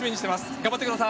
頑張ってください。